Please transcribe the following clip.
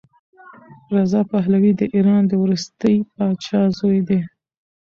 رضا پهلوي د ایران د وروستي پادشاه زوی دی.